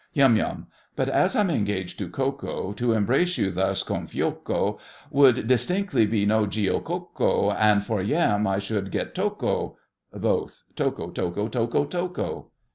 YUM. But as I'm engaged to Ko Ko, To embrace you thus, con fuoco, Would distinctly be no giuoco, And for yam I should get toko— BOTH. Toko, toko, toko, toko!